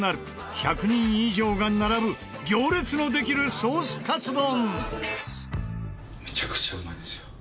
１００人以上が並ぶ行列のできるソースカツ丼。